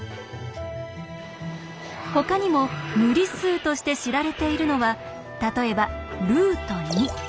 ほかにも無理数として知られているのは例えば。